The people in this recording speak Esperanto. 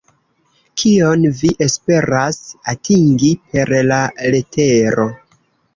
Kion vi esperas atingi per la letero?